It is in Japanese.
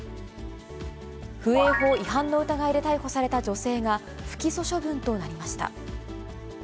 風営法違反の疑いで逮捕された女性が、不起訴処分となりました。